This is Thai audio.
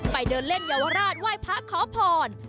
เดินเล่นเยาวราชไหว้พระขอพร